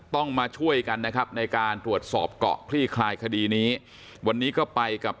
ต้องมาช่วยกันนะครับในการตรวจสอบเกาะคลี่คลายคดีนี้วันนี้ก็ไปกับ